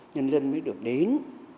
nhân dân mới được đến